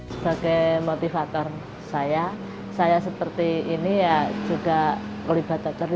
sebagai motivator saya saya seperti ini ya juga terlibat sama sehati